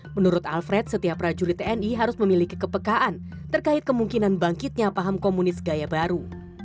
menurut alfred setiap prajurit tni harus memiliki kepekaan terkait kemungkinan bangkitnya paham komunis gaya baru